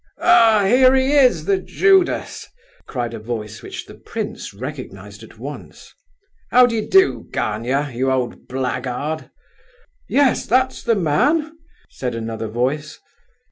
"Ah! here he is, the Judas!" cried a voice which the prince recognized at once. "How d'ye do, Gania, you old blackguard?" "Yes, that's the man!" said another voice.